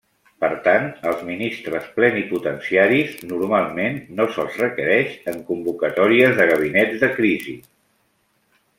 Per tant, els ministres plenipotenciaris normalment no se'ls requereix en convocatòries de gabinets de crisi.